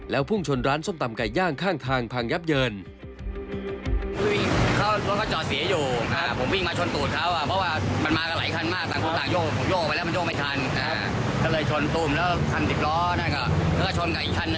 พุ่งชนร้านส้มตำไก่ย่างข้างทางพังยับเยิน